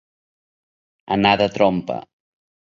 Anar de trompa.